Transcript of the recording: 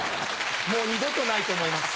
もう二度とないと思います